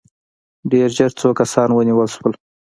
ډېر ژر څو کسان ونیول شول.